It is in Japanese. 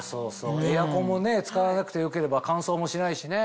エアコンも使わなくてよければ乾燥もしないしね。